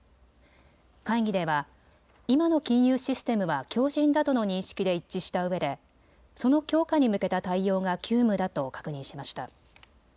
会議では今の金融システムは強じんだとの認識で一致したうえでその強化に向けた対応が急務だと確認しました。